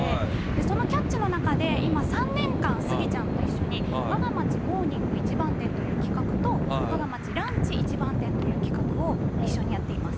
その「キャッチ！」の中で今３年間スギちゃんと一緒に「わが町モーニング一番店」という企画と「わが町ランチ一番店」という企画を一緒にやっています。